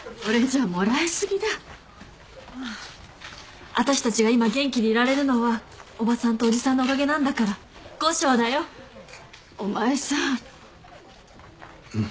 あたしたちが今元気でいられるのはおばさんとおじさんのおかげなんだから後生だよお前さん